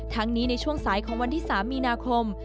นี้ในช่วงสายของวันที่๓มีนาคม